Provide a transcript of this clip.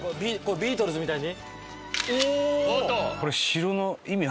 ビートルズみたいに？